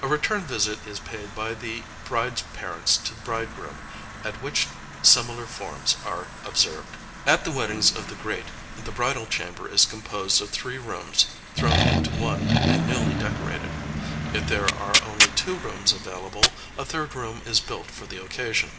A return visit is paid by the bride's parents to the bridegroom, at which similar forms are observed. At the weddings of the great, the bridal chamber is composed of three rooms thrown into one, and newly decorated. If there are only two rooms available, a third room is built for the occasion.